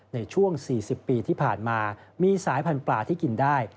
ในช่วง๔๐ปีที่ผ่านมามีสายพันธุ์ปลาที่กินได้